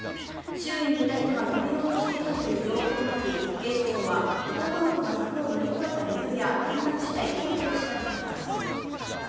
周囲にいた人が止めようとしていたという情報もあり警視庁は男の子が柵を乗り越えた理由や転落したいきさつを調べています。